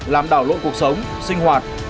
làm đảo lộn cuộc sống sinh hoạt